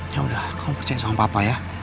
ya udah kamu percaya sama papa ya